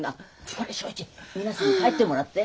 ほれ省一皆さんに帰ってもらって。